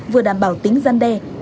vừa đảm bảo tính gian đeo